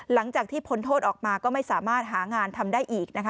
หลังจากที่พ้นโทษออกมาก็ไม่สามารถหางานทำได้อีกนะคะ